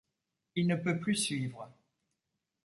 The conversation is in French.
Il ne peut plus suivre.